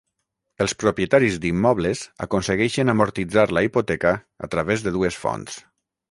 Els propietaris d'immobles aconsegueixen amortitzar la hipoteca a través de dues fonts.